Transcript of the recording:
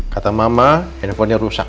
kata mama handphonenya rusak